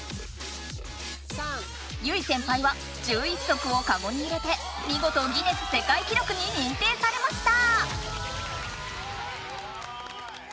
結実先輩は１１足をカゴに入れて見事ギネス世界記録に認定されました！